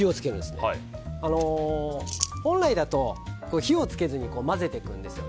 本来だと火を付けずに混ぜていくんですよ。